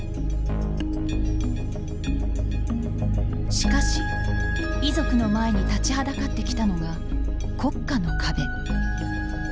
しかし遺族の前に立ちはだかってきたのが国家の壁。